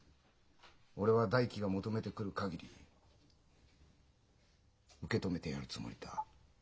俺は大樹が求めてくるかぎり受け止めてやるつもりだ。